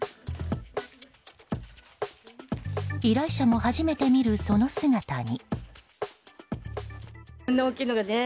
依頼者も初めて見るその姿に。